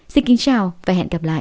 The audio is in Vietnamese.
xin kính chào và hẹn gặp lại